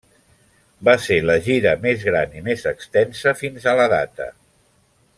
Va ser la gira més gran i més extensa fins a la data.